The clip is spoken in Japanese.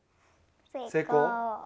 成功！